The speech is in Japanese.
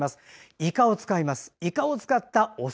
いかを使います。